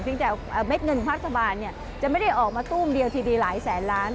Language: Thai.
เม็ดเงินภาครัฐบาลจะไม่ได้ออกมาตู้มเดียวทีดีหลายแสนล้าน